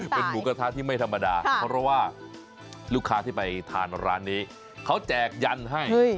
เป็นหมูกระทะที่ไม่ธรรมดาเพราะว่าลูกค้าที่ไปทานร้านนี้เขาแจกยันให้